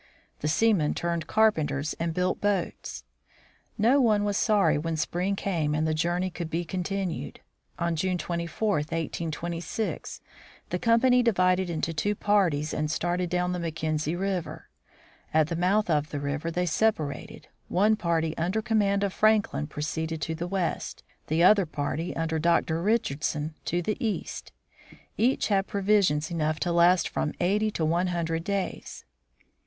The seamen turned carpenters and built boats. No one was sorry when spring came and the journey could be continued. On June 24, 1826, the company divided into two parties and started down the Mackenzie river. At the mouth of the river they separated ; one party under command of Franklin proceeded to the west, the other party under Dr. Richardson, to the east. Each had provisions enough to last from eighty to one hundred days.